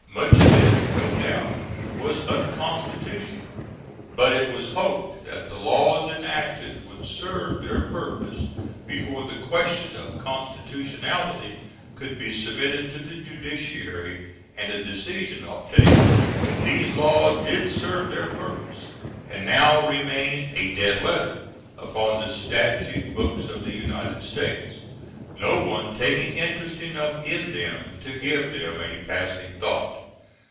Much of it, no doubt, was unconstitutional; but it was hoped that the laws enacted would serve their purpose before the question of constitutionality could be submitted to the judiciary and a decision obtained. These laws did serve their purpose, and now remain "a dead letter" upon the statute books of the United States, no one taking interest enough in them to give them a passing thought.